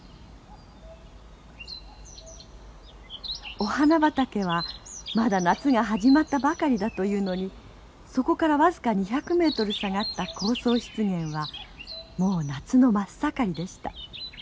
お花畑はまだ夏が始まったばかりだというのにそこから僅か２００メートル下がった高層湿原はもう夏の真っ盛りでした。